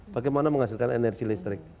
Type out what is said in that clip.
bagaimana menghasilkan energi listrik